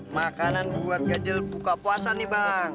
makanan buat ganjil buka puasa nih bang